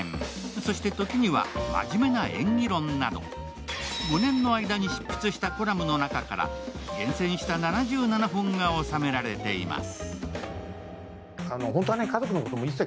そして、時には真面目な演技論など５年の間に執筆したコラムの中から厳選した７７本が収められています。